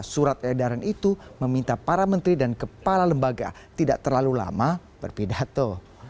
surat edaran itu meminta para menteri dan kepala lembaga tidak terlalu lama berpidato